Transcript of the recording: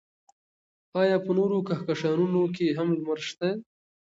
ایا په نورو کهکشانونو کې هم لمر شته؟